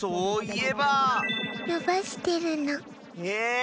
え？